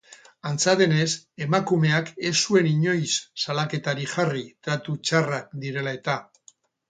Antza denez, emakumeak ez zuen inoiz salaketarik jarri tratu txarrak direla eta.